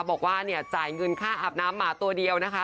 บอกว่าเนี่ยจ่ายเงินค่าอาบน้ำหมาตัวเดียวนะคะ